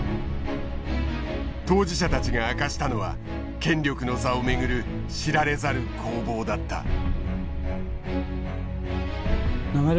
当事者たちが明かしたのは権力の座を巡る知られざる攻防だった。